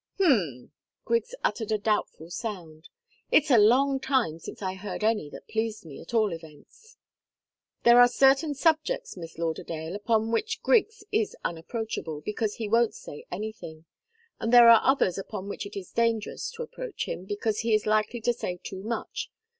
"Hm!" Griggs uttered a doubtful sound. "It's a long time since I heard any that pleased me, at all events." "There are certain subjects, Miss Lauderdale, upon which Griggs is unapproachable, because he won't say anything. And there are others upon which it is dangerous to approach him, because he is likely to say too much.